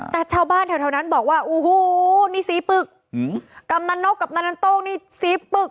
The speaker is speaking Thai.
แต่ชาวบ้านแถวนั้นบอกว่าโอ้โหนี่สีปึกกำนันนกกับนันโต้งนี่สีปึก